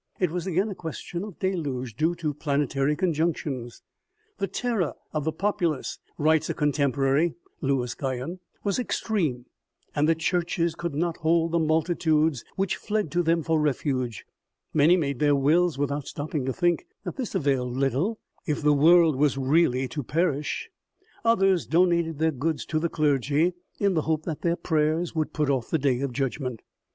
It was again a question of a deluge, due to planetary conjunctions. u The terror of the populace," writes a contemporary, Louis Guyon, "was extreme, and the churches could not hold the multitudes which fled to them for refuge ; many made their wills without stopping to think that this availed little if the world was really to perish ; others donated their goods to the clergy, in the hope that their prayers would put off the day of judgment."